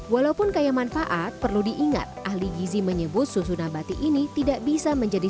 walaupun kaya manfaat perlu diingat ahli gizi menyebut susu nabati ini tidak bisa menjadi